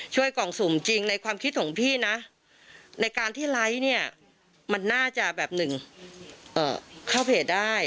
กล่องสุ่มจริงในความคิดของพี่นะในการที่ไลค์เนี่ยมันน่าจะแบบหนึ่งเข้าเพจได้